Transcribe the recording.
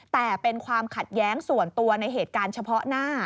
แต่เป็นความขัดแย้งส่วนตัวในเหตุการณ์เฉพาะหน้า